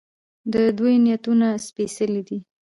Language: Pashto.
د دوی نیتونه سپیڅلي دي.